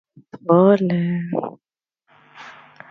They were often points of considerable Internet congestion.